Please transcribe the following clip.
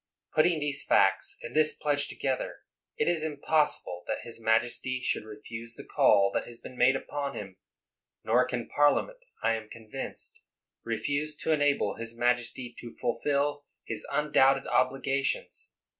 Putting these facts and this pledge together, it is impossible that his majesty should refuse the call that has been made upon him; nor can Parliament, I am convinced, refuse to enable his majesty to fulfil his undoubted obligations.